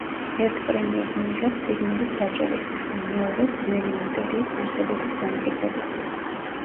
ერთ პრემიას მიიღებს სიგნალის დაჭერისთვის და მეორეს – ბნელი მატერიის არსებობის დამტკიცებისთვის.